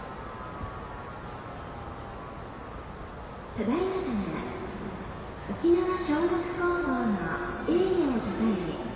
ただいまから沖縄尚学高校の栄誉をたたえ